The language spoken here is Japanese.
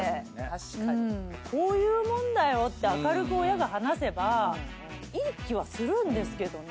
こういうもんだよって明るく親が話せばいい気はするんですけどね。